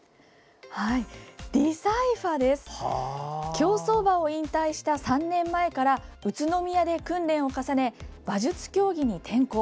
競走馬を引退した３年前から宇都宮で訓練を重ね馬術競技に転向。